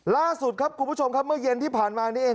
ล่าสุดครับคุณผู้ชมครับเมื่อเย็นที่ผ่านมานี้เอง